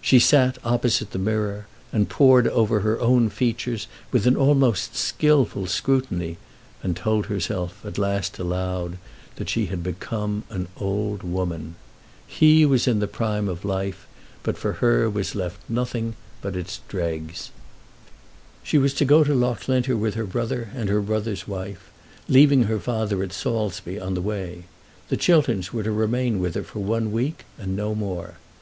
She sat opposite the mirror, and pored over her own features with an almost skilful scrutiny, and told herself at last aloud that she had become an old woman. He was in the prime of life; but for her was left nothing but its dregs. [Illustration: Lady Laura at the glass.] She was to go to Loughlinter with her brother and her brother's wife, leaving her father at Saulsby on the way. The Chilterns were to remain with her for one week, and no more.